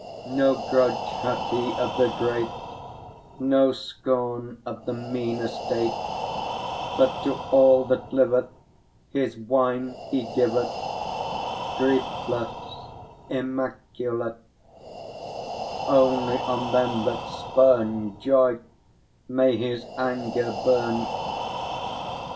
No grudge hath he of the great; No scorn of the mean estate; But to all that liveth His wine he giveth, Griefless, immaculate; Only on them that spurn Joy, may his anger burn.